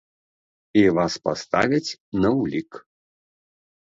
І вас паставяць на ўлік.